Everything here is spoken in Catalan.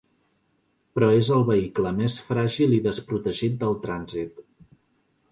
Però és el vehicle més fràgil i desprotegit del trànsit.